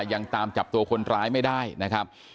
ยังตามจับตัวคนร้ายไม่ได้นะครับ